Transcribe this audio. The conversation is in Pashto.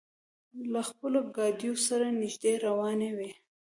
له خپلو ګاډیو سره نږدې روانې وې.